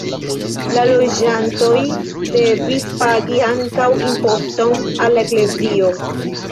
La loĝantoj devis pagi ankaŭ imposton al la eklezio.